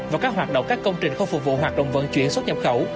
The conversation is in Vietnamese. và các hoạt động các công trình không phục vụ hoạt động vận chuyển xuất nhập khẩu